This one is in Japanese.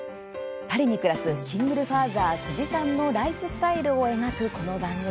パリに暮らすシングルファーザー辻さんのライフスタイルを描くこの番組。